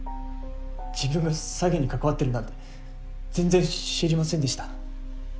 自分が詐欺に関わってるなんて全然知りませんでした。